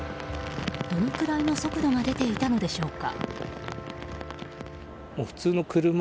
どのくらいの速度が出ていたのでしょうか。